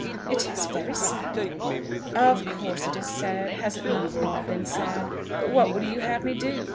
"It is very sad." "Of course it is sad. Has it not all been sad? But what would you have me do?